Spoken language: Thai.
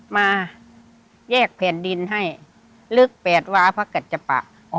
มาแยกแผ่นดินให้ลึกเป็น๘วาทเพื่อจัดจับป่า